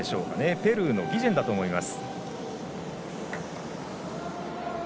ペルーのギジェンだと思います。